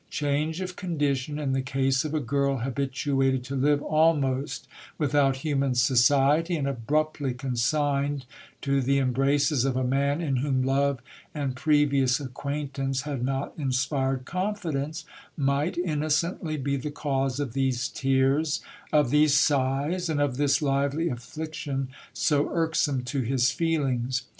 Change of condition, in the case of a girl habituated to live almost without human society, and abruptly consigned to the embraces of a man in whom love and previous acquaintance had not inspired confidence, might inno cently be the cause of these tears, of these sighs, and of this lively affliction so irksome to his feelings.